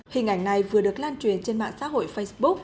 hình ảnh này vừa được lan truyền trên mạng xã hội facebook